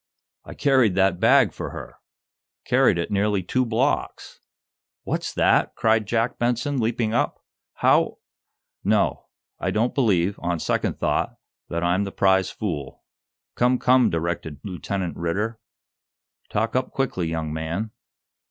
"I carried that bag for her carried it nearly two blocks!" "What's that?" cried Jack Benson, leaping up. "How " "No; I don't believe, on second thought, that I'm the prize fool." "Come, come," directed Lieutenant Ridder. "Talk up quickly, young man."